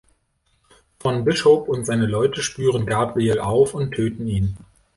Von Bishop und seine Leute spüren Gabriel auf und töten ihn.